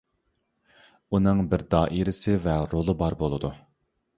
ئۇنىڭ بىر دائىرىسى ۋە رولى بار بولىدۇ.